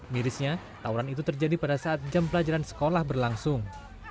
mirisnya tawuran itu terjadi pada saat jam pelajaran sekolah berlangsung